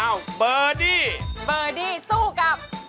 เบอร์ดี้เบอร์ดี้สู้กับ